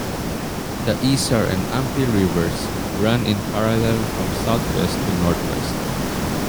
The Isar and Amper rivers run in parallel from southwest to northeast.